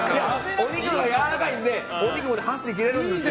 お肉もやわらかいのでお肉も箸でいけるんですよ。